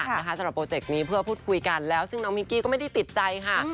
สำหรับโปรเจกต์นี้เพื่อพูดคุยกันแล้วซึ่งน้องมิงกี้ก็ไม่ได้ติดใจค่ะ